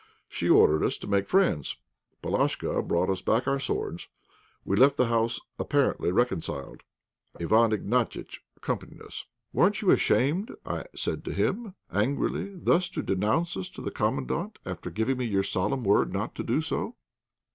She ordered us to make friends. Palashka brought us back our swords. We left the house apparently reconciled. Iván Ignatiitch accompanied us. "Weren't you ashamed," I said to him, angrily, "thus to denounce us to the Commandant after giving me your solemn word not to do so?"